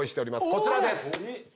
こちらです。